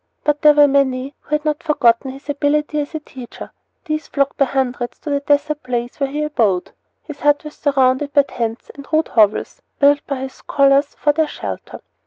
But there were many who had not forgotten his ability as a teacher. These flocked by hundreds to the desert place where he abode. His hut was surrounded by tents and rude hovels, built by his scholars for their shelter.